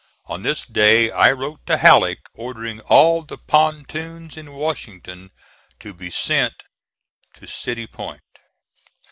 On this day I wrote to Halleck ordering all the pontoons in Washington to be sent to City Point.